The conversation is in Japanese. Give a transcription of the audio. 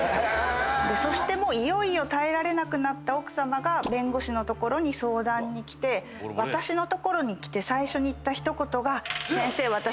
そしてもういよいよ耐えられなくなった奥さまが弁護士の所に相談に来て私の所に来て最初に言った一言が。